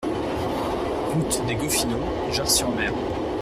Route des Goffineaux, Jard-sur-Mer